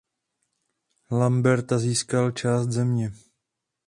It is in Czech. Lamberta získal část země.